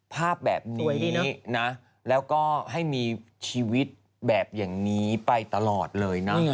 ภาพแบบนี้นะแล้วก็ให้มีชีวิตแบบอย่างนี้ไปตลอดเลยนะ